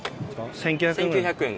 １９００円？